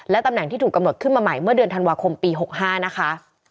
ตำแหน่งที่ถูกกำหนดขึ้นมาใหม่เมื่อเดือนธันวาคมปี๖๕นะคะ